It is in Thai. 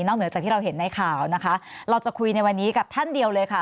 เหนือจากที่เราเห็นในข่าวนะคะเราจะคุยในวันนี้กับท่านเดียวเลยค่ะ